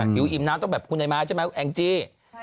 หิวอิ่มน้ำต้องแบบคุณไอม้าใช่ไหมแองจี